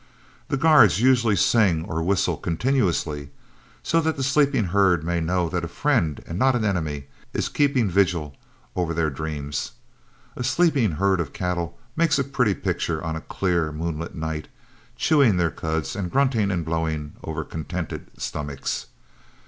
The guards usually sing or whistle continuously, so that the sleeping herd may know that a friend and not an enemy is keeping vigil over their dreams. A sleeping herd of cattle make a pretty picture on a clear moonlight night, chewing their cuds and grunting and blowing over contented stomachs.